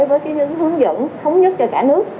với những hướng dẫn thống nhất cho cả nước